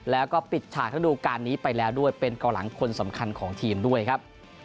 แล้วก็ปิดฉากระดูกการนี้ไปแล้วด้วยเป็นกองหลังคนสำคัญของทีมด้วยครับ